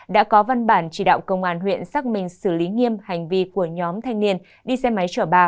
đã có văn bản chỉ đạo công an huyện xác minh xử lý nghiêm hành vi của nhóm thanh niên đi xe máy chở bà